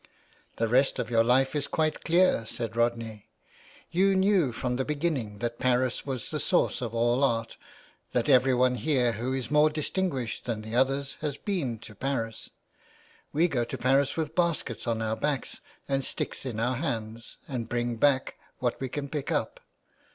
The rest of your life is quite clear," said Rodney. "You knew from the beginning that Paris was the source of all art, that everyone here who is more distinguished than the others has been to Paris. We go to Paris with baskets on our backs, and sticks in our hands, and bring back what we can pick up.